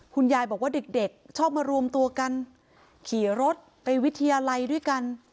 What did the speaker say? คุณยายบอกว่าเด็กชอบมารวมตัวกันขี่รถไปวิทยาลัยด้วยกัน